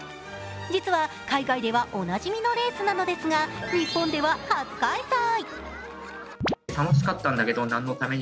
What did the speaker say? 実は海外ではおなじみのレースなのですが日本では初開催。